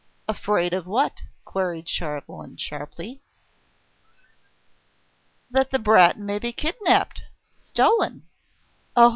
"Afraid of what?" queried Chauvelin sharply. That the brat may be kidnapped ... stolen. Oh!